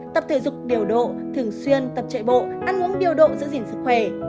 tập thể dục điều độ thường xuyên tập chạy bộ ăn uống điều độ giữ gìn sức khỏe